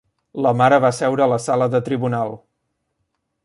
La mare va seure a la sala de tribunal.